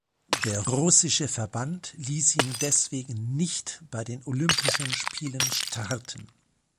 Der russische Verband ließ ihn deswegen nicht bei den Olympischen Spielen starten.